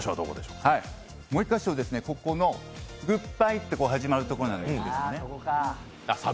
もう１か所、ここのグッバイって始まるところですね。